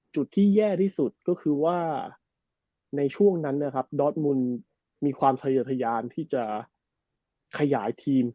จุดที่แย่ที่สุดก็คือว่าในช่วงนั้นนะครับดอสมุนมีความทะเยอะทะยานที่จะขยายทีม